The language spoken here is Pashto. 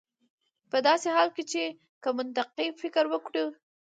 په داسې حال کې چې که منطقي فکر وکړو